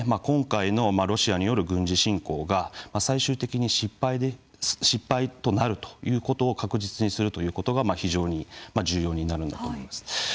今回のロシアによる軍事侵攻が最終的に失敗となるということを確実にするということが非常に重要になるんだと思います。